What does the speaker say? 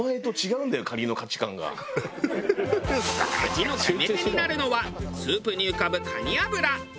味の決め手になるのはスープに浮かぶ蟹油。